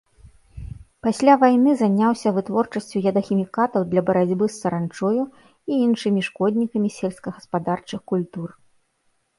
Пасля вайны заняўся вытворчасцю ядахімікатаў для барацьбы з саранчою і іншымі шкоднікамі сельскагаспадарчых культур.